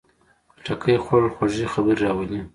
خټکی خوړل خوږې خبرې راولي.